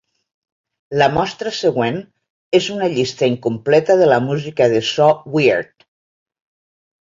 La mostra següent és una llista incompleta de la música de "So Weird".